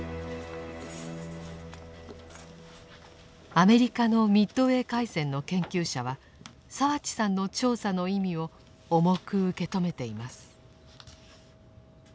アメリカのミッドウェー海戦の研究者は澤地さんの調査の意味を重く受け止めています。